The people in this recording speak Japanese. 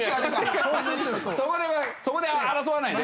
そこで争わないで。